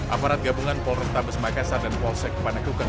amarah gabungan polretabes makassar dan polsek panagukan